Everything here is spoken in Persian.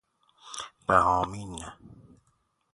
بَهامین